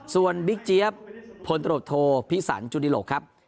ส่วนบิ๊กเจี๊ยบพลตรวจโทพิสันจุดิหลกครับ